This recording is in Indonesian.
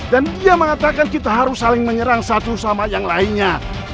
dan dia mengatakan kita harus saling menyerang satu sama yang lainnya